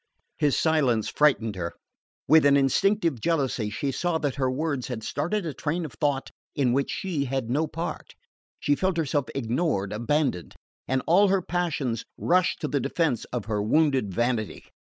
His silence frightened her. With an instinctive jealousy she saw that her words had started a train of thought in which she had no part. She felt herself ignored, abandoned; and all her passions rushed to the defence of her wounded vanity.